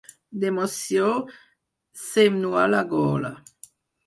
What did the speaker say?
D'emoció, se'm nuà la gola.